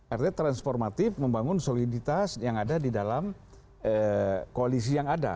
artinya transformatif membangun soliditas yang ada di dalam koalisi yang ada